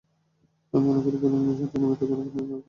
আমি মনে করি, বোলিং অনুশীলনটা নিয়মিত করেও ফিটনেস ধরে রাখা যায়।